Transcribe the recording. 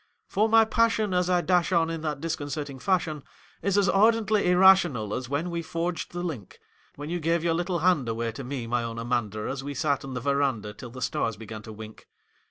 For my passion as I dash on in that disconcerting fashion Is as ardently irrational as when we forged the link When you gave your little hand away to me, my own Amanda An we sat 'n the veranda till the stars began to wink.